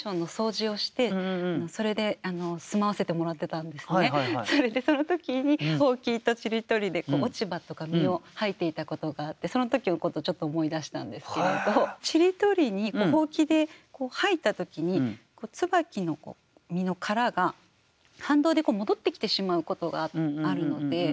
私インディーズで活動していた頃にそれでその時にほうきとちりとりで落ち葉とか実を掃いていたことがあってその時のことちょっと思い出したんですけれどちりとりにほうきで掃いた時に椿の実の殻が反動で戻ってきてしまうことがあるので。